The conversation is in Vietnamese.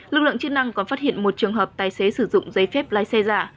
lực lượng chức năng còn phát hiện một trường hợp tài xế sử dụng giấy phép lái xe giả